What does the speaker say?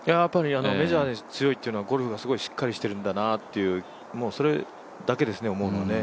メジャーに強いというのはゴルフがすごいしっかりしているんだなとそれだけですね、思うのはね。